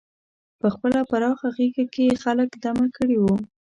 په خپله پراخه غېږه کې یې خلک دمه کړي وو.